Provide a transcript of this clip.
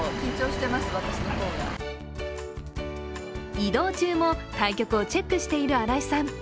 移動中も対局をチェックしている新井さん。